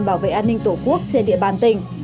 bảo vệ an ninh tổ quốc trên địa bàn tỉnh